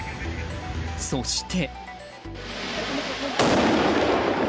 そして。